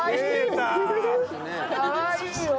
かわいいよ。